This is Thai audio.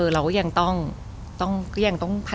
เรายังต้องพัฒนาตัวเองตลอด